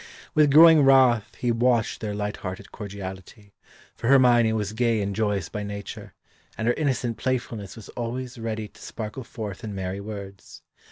With growing wrath he watched their light hearted cordiality, for Hermione was gay and joyous by nature, and her innocent playfulness was always ready to sparkle forth in merry words.